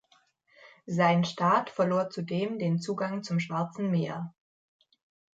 Sein Staat verlor zudem den Zugang zum Schwarzen Meer.